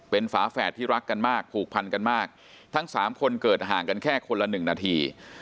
เป็นฝาแฝดที่รักกันมากผูกพันกันมากทั้งสามคนเกิดห่างกันแค่คนละหนึ่งนาที